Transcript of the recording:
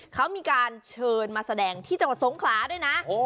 เขามีการเชิญมาแสดงที่จังหวัดสงขลาด้วยนะ